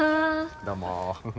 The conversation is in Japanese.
どうも。